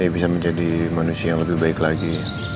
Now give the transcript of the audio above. bisa menjadi manusia yang lebih baik lagi